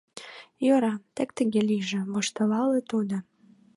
— Йӧра, тек тыге лийже, — воштылале тудо.